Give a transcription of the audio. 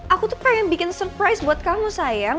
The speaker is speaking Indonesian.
aku tuh pengen bikin surprise buat kamu sayang